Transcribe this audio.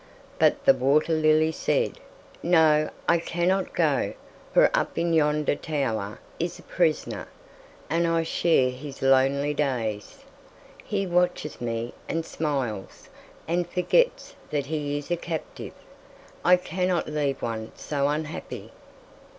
But the water lily said, "No, I cannot go, for up in yonder tower is a prisoner, and I cheer his lonely days. He watches me and smiles, and forgets that he is a captive. I cannot leave one so unhappy."